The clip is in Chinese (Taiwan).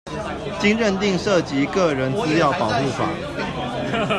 經認定涉及個人資料保護法